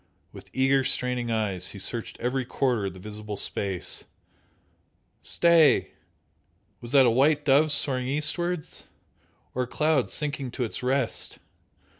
With eager straining eyes he searched every quarter of the visible space stay! Was that a white dove soaring eastwards? or a cloud sinking to its rest?